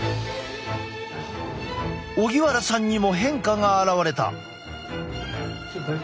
荻原さんにも変化が現れた。